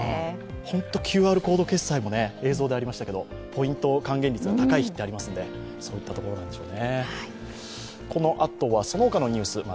本当にＱＲコードも映像でありましたけど、ポイント還元率が高い日がありますのでそういったところなんでしょうね。